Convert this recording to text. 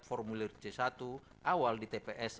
formulir c satu awal di tps